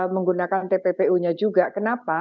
menggunakan tppu nya juga kenapa